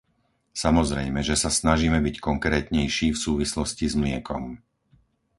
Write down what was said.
Samozrejme, že sa snažíme byť konkrétnejší v súvislosti s mliekom.